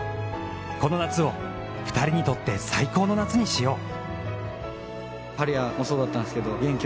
この夏を２人にとって最高の夏にしよう。